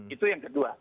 itu yang kedua